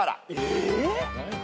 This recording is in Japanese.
えっ！？